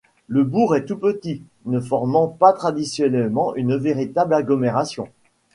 Le bourg est tout petit, ne formant pas traditionnellement une véritable agglomération.